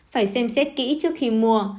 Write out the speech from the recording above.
phải xem xét kỹ trước khi mua